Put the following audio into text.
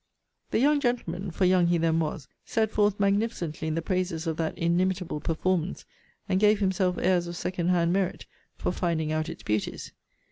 'The young gentleman (for young he then was) set forth magnificently in the praises of that inimitable performance; and gave himself airs of second hand merit, for finding out its beauties.